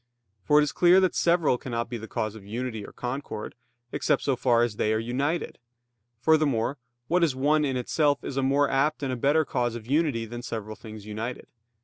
For it is clear that several cannot be the cause of unity or concord, except so far as they are united. Furthermore, what is one in itself is a more apt and a better cause of unity than several things united.